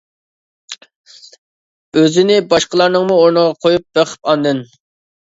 ئۆزىنى باشقىلارنىڭمۇ ئورنىغا قويۇپ بېقىپ ئاندىن.